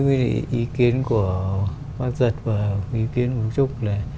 ý kiến của bác giật và ý kiến của đức trúc là